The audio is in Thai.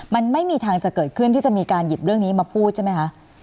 มันไม่มีทางจะเกิดขึ้นที่จะมีการหยิบเรื่องนี้มาพูดใช่ไหมคะ